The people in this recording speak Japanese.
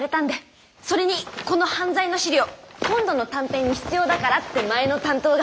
それにこの犯罪の資料今度の短編に必要だからって前の担当が。